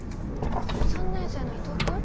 ３年生の伊藤君？